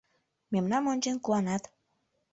Мемнам ончен куанат.